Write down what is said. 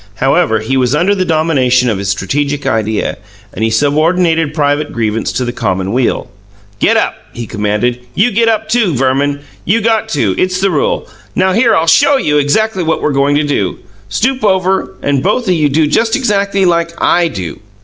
However, he was under the domination of his strategic idea, and he subordinated private grievance to the common weal. "Get up!" he commanded. "You get up, too, Verman. You got to it's the rule. Now here I'll SHOW you what we're goin' to do. Stoop over, and both o' you do just exackly like I do.